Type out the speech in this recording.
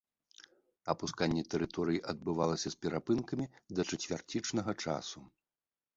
Апусканне тэрыторыі адбывалася з перапынкамі да чацвярцічнага часу.